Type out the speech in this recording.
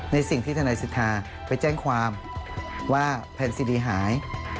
ในสิ่งที่ธนาศิษฐาไปแจ้งความว่าแผนสีดีหาย